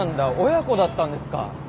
親子だったんですか。